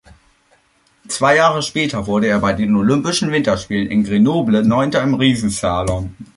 Zwei Jahre später wurde er bei den Olympischen Winterspielen in Grenoble Neunter im Riesenslalom.